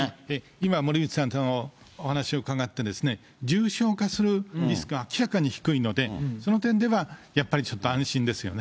今、森内先生からお話を伺って、重症化するリスクが明らかに低いので、その点では、やっぱりちょっと安心ですよね。